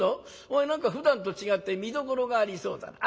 お前何かふだんと違って見どころがありそうだな。